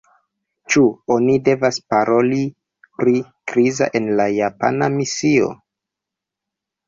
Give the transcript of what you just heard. Ĉu oni devas paroli pri krizo en la japana misio?